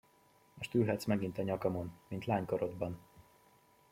Most ülhetsz megint a nyakamon, mint lánykorodban.